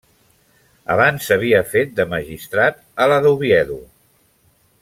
Abans havia fet de magistrat a la d'Oviedo.